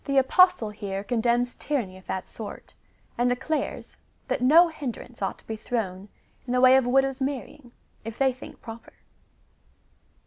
Apostle here condemns tyranny of tliat sort, and declares, that no hinderance ought to be thrown in the way of widows' marrying, if they think proper.